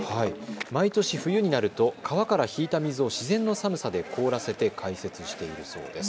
毎年、冬になると川から引いた水を自然の寒さで凍らせて開設しているそうです。